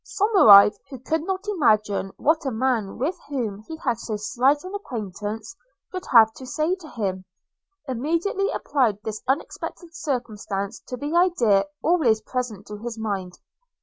Somerive, who could not imagine what a man with whom he had so slight an acquaintance could have to say to him, immediately applied this unexpected circumstance to the idea always present to his mind.